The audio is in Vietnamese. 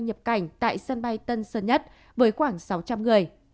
nhập cảnh tại sân bay tân sơn nhất với khoảng sáu trăm linh người